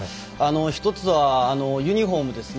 １つはユニホームですね。